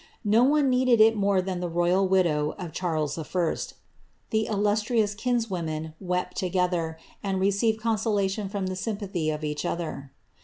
No one needed it more than the royal widow of Charles 1. The illastrioa kinswomen wept together, and received consolation from the aympalliy of each other.